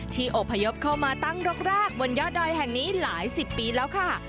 อบพยพเข้ามาตั้งร็กแรกบนยอดดอยแห่งนี้หลายสิบปีแล้วค่ะ